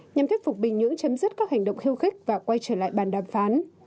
nhằm thuyết phục bình nhưỡng chấm dứt các hành động khiêu khích và quay trở lại bàn đàm phán